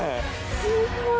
すごい。